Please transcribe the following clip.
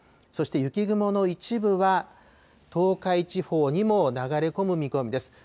そして雪雲の一部は東海地方にも流れ込む見込みです。